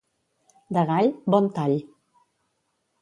De gall, bon tall.